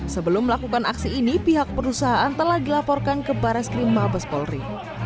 sebelum melakukan aksi ini pihak perusahaan telah dilaporkan ke baris krim mabes polri